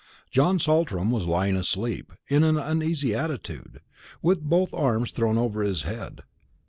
John Saltram was lying asleep, in an uneasy attitude, with both arms thrown over his head.